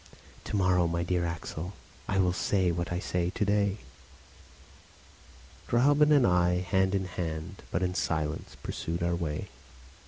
"To morrow, dear Axel, I will say what I say to day." Gräuben and I, hand in hand, but in silence, pursued our way.